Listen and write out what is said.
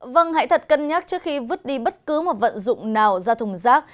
vâng hãy thật cân nhắc trước khi vứt đi bất cứ một vận dụng nào ra thùng rác